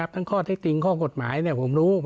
ทั้งข้อเทคติกข้อกฎหมายผมรู้